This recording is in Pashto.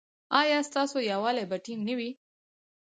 ایا ستاسو یووالي به ټینګ نه وي؟